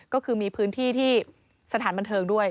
ก็คือมีพื้นที่ที่สถานบันเทิงด้วย